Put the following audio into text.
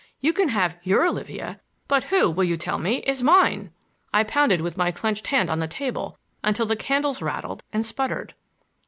You can have your Olivia; but who, will you tell me, is mine?" I pounded with my clenched hand on the table until the candles rattled and sputtered.